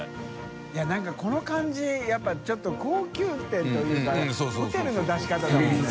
い何かこの感じやっぱちょっと盖蘚垢箸いΔホテルの出し方だもんね。